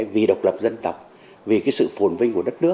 vì độc lập dân tộc vì cái sự phồn vinh của đất nước